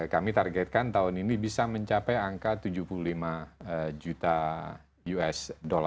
kami targetkan tahun ini bisa mencapai angka tujuh puluh lima juta usd